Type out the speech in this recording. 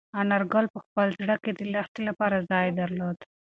انارګل په خپل زړه کې د لښتې لپاره ځای درلود.